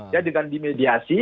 ya dengan dimediasi